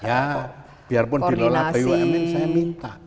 ya biarpun dilola bumn saya minta